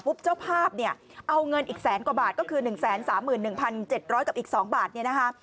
เจ้าภาพเนี่ยเอาเงินอีกแสนกว่าบาทก็คือ๑๓๑๗๐๐กับอีก๒บาทเนี่ยนะคะ